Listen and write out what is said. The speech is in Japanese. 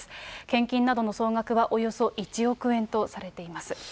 献金などの総額はおよそ１億円とされています。